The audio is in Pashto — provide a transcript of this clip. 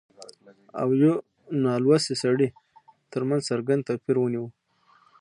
او يوه نالوستي سړي ترمنځ څرګند توپير وينو